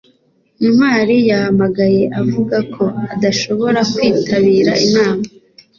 ntwali yahamagaye avuga ko adashobora kwitabira inama